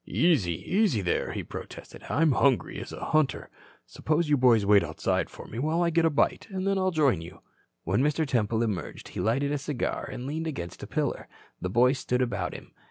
"Easy, easy there," he protested. "I'm hungry as a hunter. Suppose you boys wait outside for me while I get a bite, and then I'll join you." When Mr. Temple emerged, he lighted a cigar and leaned against a pillar. The boys stood about him.